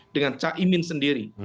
dengan cak imin sendiri